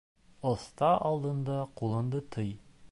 Оҫта алдында ҡулыңды тый.